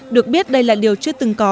được biết đây là điều chưa từng có